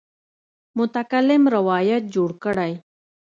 متکلم روایت جوړ کړی.